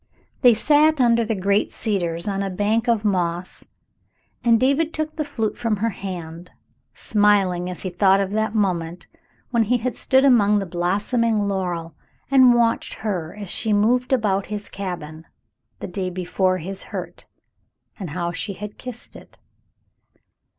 They sat under the great cedars on a bank of moss, and David took the flute from her hand, smiling as he thought of that moment when he had stood among the blossoming laurel and watched her as she moved about his cabin, the day before his hurt, and how she had kissed it.